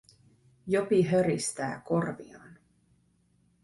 Jopi höristää korviaan.